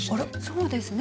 そうですね